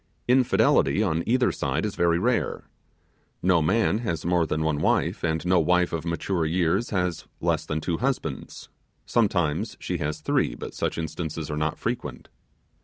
Infidelity on either side is very rare. No man has more than one wife, and no wife of mature years has less than two husbands, sometimes she has three, but such instances are not frequent.